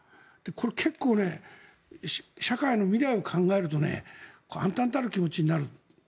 結構、社会の未来を考えると暗たんたる気持ちになる。